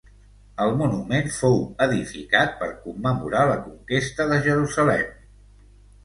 El monument fou edificat per commemorar la conquesta de Jerusalem.